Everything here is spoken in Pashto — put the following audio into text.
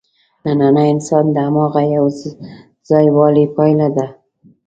نننی انسان د هماغه یوځایوالي پایله ده.